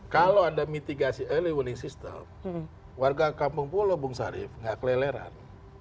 kalau ada mitigasi early warning system warga kampung pulau bung sarif nggak keleleran